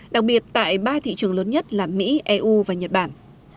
đặc biệt tại ba thị trường lớn nhất là mỹ eu và nhật bản